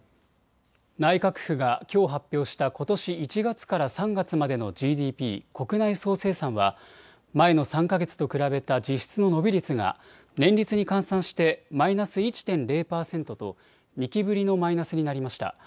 内閣府がきょう発表したことし１月から３月までのＧＤＰ・国内総生産は前の３か月と比べた実質の伸び率が年率に換算してマイナス１．０％と２期ぶりのマイナスになりました。